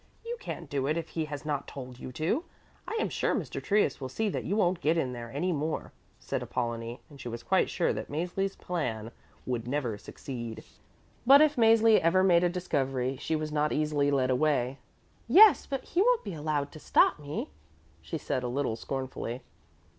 You can't do it if he has not told you to. I am sure Mr. Trius will see that you won't get in there any more," said Apollonie, and she was quite sure that Mäzli's plan would never succeed. But if Mäzli ever made a discovery, she was not easily led away. "Yes, but he won't be allowed to stop me," she said a little scornfully.